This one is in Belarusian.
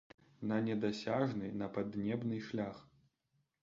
На недасяжны, на паднебны шлях.